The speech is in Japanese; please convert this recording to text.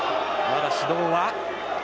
まだ指導は。